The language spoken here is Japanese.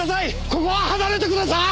ここは離れてください！